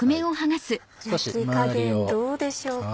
焼き加減どうでしょうか。